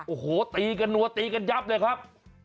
โอ้โหตีกันนัวตีกันยับเลยครับ